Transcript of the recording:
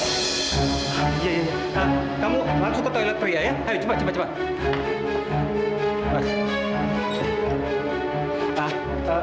iya iya kamu masuk ke toilet pria ayo cepat cepat